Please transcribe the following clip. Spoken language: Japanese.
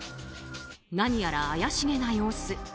何やら怪しげな様子。